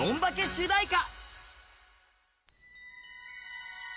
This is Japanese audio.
主題歌。